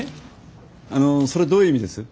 あのそれどういう意味です？